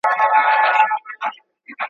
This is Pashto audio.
انار د پوستکي جذابیت زیاتوي.